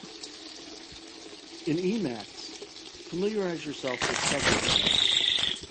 In Emacs, familiarize yourself with subword mode.